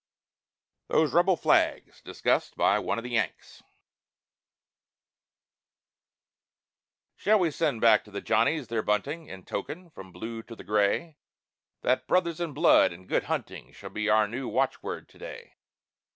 THOSE REBEL FLAGS DISCUSSED BY "ONE OF THE YANKS" Shall we send back the Johnnies their bunting, In token, from Blue to the Gray, That "Brothers in blood" and "Good Hunting" Shall be our new watchword to day?